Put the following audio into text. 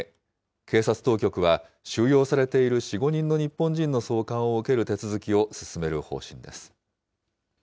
警察当局は収容されている４、５人の日本人の送還を受ける手続きを進める方針です。